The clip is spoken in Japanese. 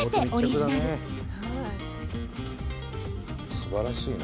すばらしいな。